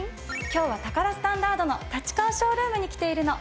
今日はタカラスタンダードの立川ショールームに来ているの。